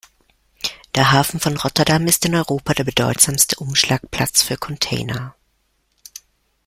Der Hafen von Rotterdam ist in Europa der bedeutsamste Umschlagplatz für Container.